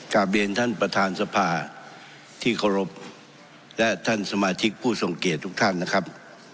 กลับเรียนท่านประธานสภาที่เคารพและท่านสมาชิกผู้ทรงเกียจทุกท่านนะครับ